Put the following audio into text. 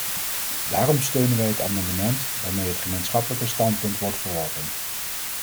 Daarom steunen wij het amendement waarmee het gemeenschappelijke standpunt wordt verworpen.